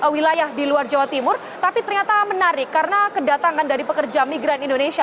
wilayah di luar jawa timur tapi ternyata menarik karena kedatangan dari pekerja migran indonesia